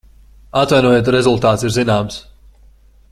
Atvainojiet, rezultāts ir zināms.